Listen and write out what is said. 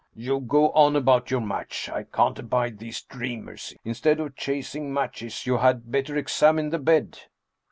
"You go on about your match! I can't abide these dreamers! Instead of chasing matches, you had better examine the bed